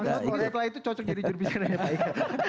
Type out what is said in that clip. bangsa korek lah itu cocok jadi jurubisikannya pak ika